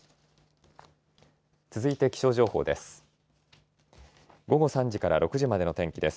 続いて気象情報です。